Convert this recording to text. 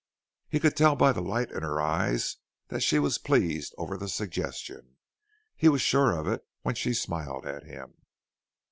He could tell by the light in her eyes that she was pleased over the suggestion. He was sure of it when she smiled at him.